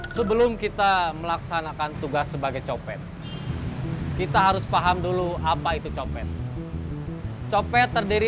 sebelum kita melaksanakan tugas sebagai copet kita harus paham dulu apa itu copet copet terdiri